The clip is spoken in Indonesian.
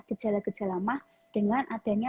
gejala gejala mah dengan adanya